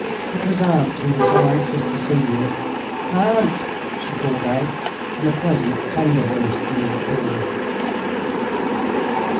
"It was aunt who was so anxious to see you. Aunt!" she called out, in a pleasant, tender voice through a door.